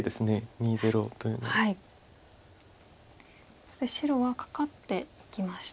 そして白はカカっていきました。